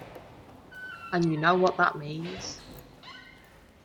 And you know what that means.